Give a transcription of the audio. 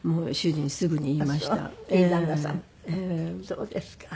そうですか。